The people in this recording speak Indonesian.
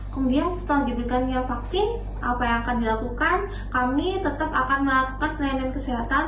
kemudian setelah diberikannya vaksin apa yang akan dilakukan kami tetap akan melakukan pelayanan kesehatan